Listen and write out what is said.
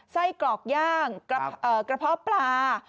กรอกย่างกระเพาะปลา